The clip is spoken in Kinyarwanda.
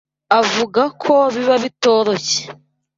avuga ko biba bitoroshye